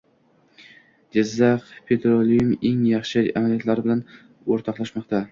Jizzakh Petroleum eng yaxshi amaliyotlari bilan o‘rtoqlashmoqda